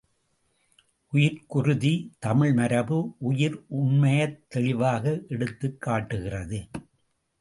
உயிர்க்குறுதி தமிழ்மரபு உயிர் உண்மையைத் தெளிவாக எடுத்துக் காட்டுகிறது.